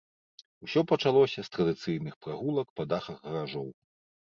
Усё пачалося з традыцыйных прагулак па дахах гаражоў.